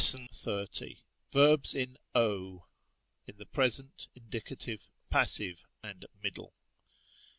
880. Verbs in q@, in the present, indicative, passive (and middle).